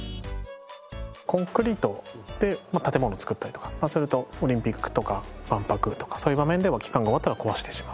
コンクリートで建物を造ったりとかするとオリンピックとか万博とかそういう場面での期間が終わったら壊してしまう。